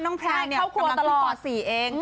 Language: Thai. น้องแพรวเนี่ยกำลังทำปลอดศีลเอง